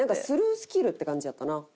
スルースキルって感じやったな。